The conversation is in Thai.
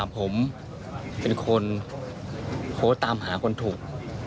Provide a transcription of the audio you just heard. ผมเป็นคนโพสต์ตามหาคนถูก